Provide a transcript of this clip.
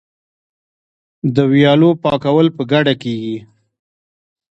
د ویالو پاکول په ګډه کیږي.